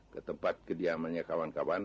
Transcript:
ke tempat kediamannya kawan kawan